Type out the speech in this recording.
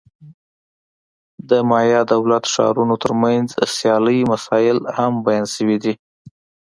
د مایا دولت-ښارونو ترمنځ سیالۍ مسایل هم بیان شوي دي.